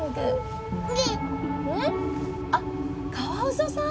蓮くん。あっカワウソさん？